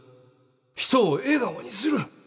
人を笑顔にする。